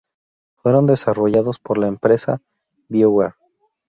Fueron desarrollados por la empresa BioWare.